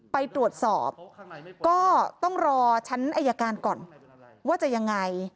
ไปตรวจสอบก็ต้องรอชั้นอายการก่อนว่าจะยังไง